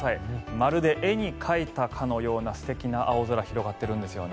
まるで絵に描いたかのような素敵な青空が広がっているんですよね。